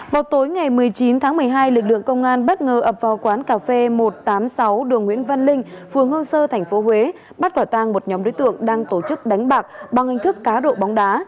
vào tối ngày một mươi chín tháng một mươi hai lực lượng công an bất ngờ ập vào quán cà phê một trăm tám mươi sáu đường nguyễn văn linh phường hương sơ tp huế bắt quả tang một nhóm đối tượng đang tổ chức đánh bạc bằng hình thức cá độ bóng đá